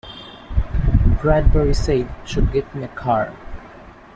Bradbury said Should get me a car.